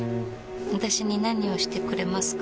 私に何をしてくれますか？